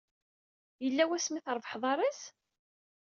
Yella wasmi ay trebḥeḍ arraz?